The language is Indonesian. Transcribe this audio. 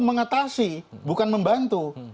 mengatasi bukan membantu